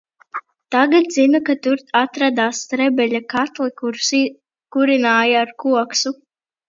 "Tagad zinu ka tur atradās "Strebeļa" katli kurus kurināja ar koksu."